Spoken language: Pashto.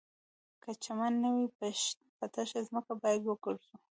که چمن نه وي په تشه ځمکه باید وګرځو